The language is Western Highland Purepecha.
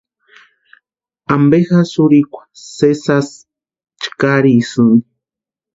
¿Ampe jasï urhikwa sési jasï chkarisïni?